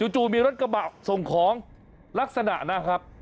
จู่มีรถกระบะส่งของลักษณะนะครับ